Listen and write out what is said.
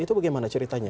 itu bagaimana ceritanya